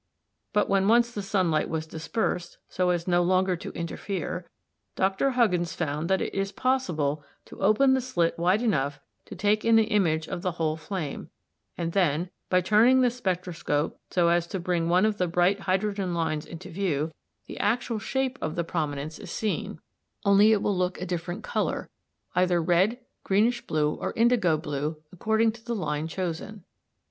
But when once the sunlight was dispersed so as no longer to interfere, Dr. Huggins found that it is possible to open the slit wide enough to take in the image of the whole flame, and then, by turning the spectroscope so as to bring one of the bright hydrogen lines into view, the actual shape of the prominence is seen, only it will look a different colour, either red, greenish blue, or indigo blue, according to the line chosen.